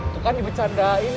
tuh kan di bercanda ini